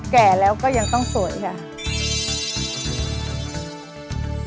แก่แล้วก็ยังต้องสวยค่ะ